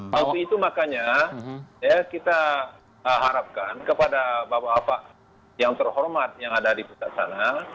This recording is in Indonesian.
tapi itu makanya kita harapkan kepada bapak bapak yang terhormat yang ada di pusat sana